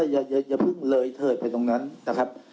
อย่าเพิ่งเลยเถิดไปตรงนั้นนะครับ